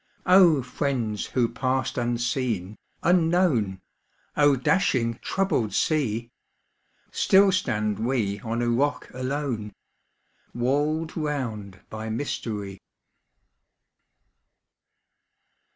O friends who passed unseen, unknown! O dashing, troubled sea! Still stand we on a rock alone, Walled round by mystery.